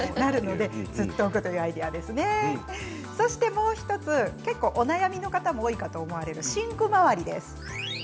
もう１つ、結構お悩みの方も多いと思われるシンク周りです。